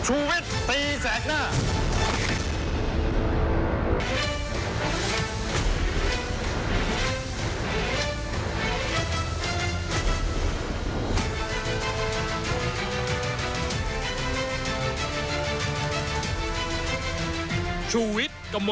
ชุวิตตีแสงหน้า